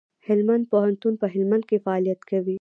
هلمند پوهنتون په هلمند کي فعالیت کوي.